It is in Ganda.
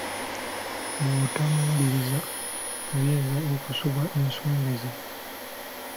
Bw’otomuwuliriza oyinza okusubwa ensonga ze.